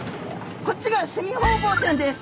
こっちがセミホウボウちゃんです。